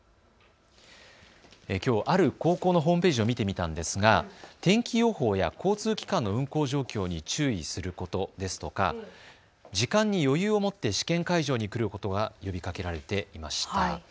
きょう、ある高校のホームページを見てみたんですが天気予報や交通機関の運行状況に注意することですとか時間に余裕を持って試験会場に来ることが呼びかけられていました。